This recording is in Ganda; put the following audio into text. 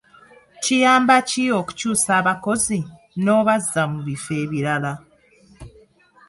Kiyamba ki okukyusa abakozi n'obazza mu bifo ebirala?